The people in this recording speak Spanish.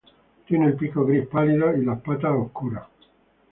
Tienen el pico gris pálido y las patas oscuras.